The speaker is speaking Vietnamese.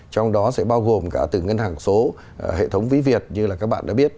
trong đó sẽ bao gồm cả từ ngân hàng số hệ thống ví việt như là các bạn đã biết